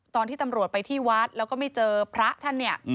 ตอนที่ตำรวจไปที่วัดแล้วก็ไม่เจอพระท่านเนี่ย